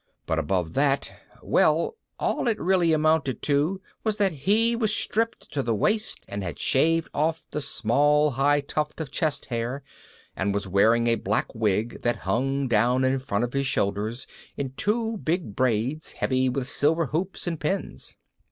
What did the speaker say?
But above that ... well, all it really amounted to was that he was stripped to the waist and had shaved off the small high tuft of chest hair and was wearing a black wig that hung down in front of his shoulders in two big braids heavy with silver hoops and pins.